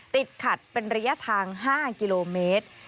ติดขัดเป็นระยะทาง๕กิโลเมตร